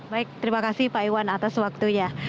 baik terima kasih pak iwan atas waktunya